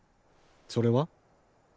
それは？